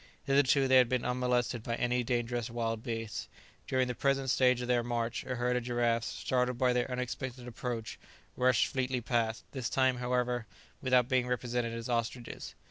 Hitherto they had been unmolested by any dangerous wild beasts. During the present stage of their march a herd of giraffes, startled by their unexpected approach, rushed fleetly past; this time, however, without being represented as ostriches.